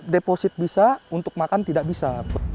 deposit bisa untuk makan tidak bisa